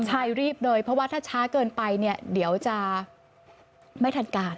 ใช่รีบเลยเพราะว่าถ้าช้าเกินไปเนี่ยเดี๋ยวจะไม่ทันการ